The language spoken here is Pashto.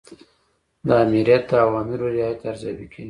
د آمریت د اوامرو رعایت ارزیابي کیږي.